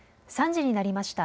３時になりました。